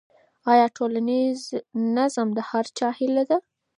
آیا ټولنیز نظم د هر چا هيله ده؟